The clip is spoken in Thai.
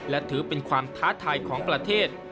และถือเป็นความท้าทายของประเทศ